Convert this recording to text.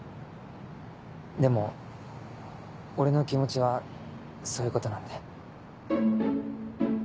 でも俺の気持ちはそういうことなんで。